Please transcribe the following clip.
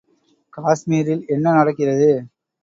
காஷ்மீரில் என்ன நடக்கிறது?